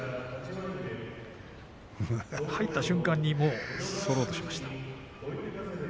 入った瞬間に反ろうとしました。